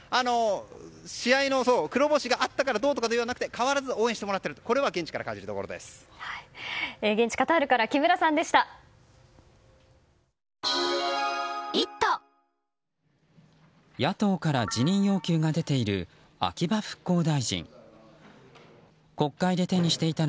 試合の黒星があったから、どうとかではなくて変わらず応援してもらえている現地のカタールから木村さんでした。